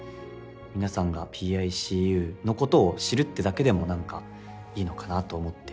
皆さんが「ＰＩＣＵ」のことを知るってだけでもいいのかなと思っていて。